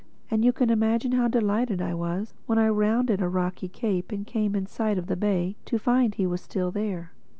And you can imagine how delighted I was, when I rounded a rocky cape and came in sight of the bay, to find he was still there.